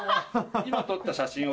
今撮った写真を。